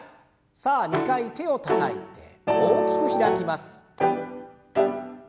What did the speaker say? さあ２回手をたたいて大きく開きます。